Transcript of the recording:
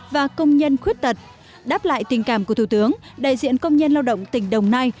và công nhân khuyết tật đáp lại tình cảm của thủ tướng đại diện công nhân lao động tỉnh đồng nai